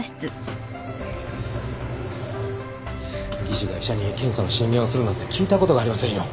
技師が医者に検査の進言をするなんて聞いたことがありませんよ。